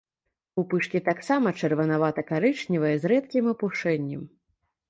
Пупышкі таксама чырванавата-карычневыя, з рэдкім апушэннем.